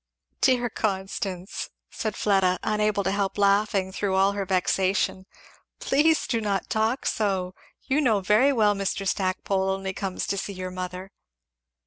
"Dear Constance!" said Fleda, unable to help laughing through all her vexation, "please do not talk so! You know very well Mr. Stackpole only comes to see your mother."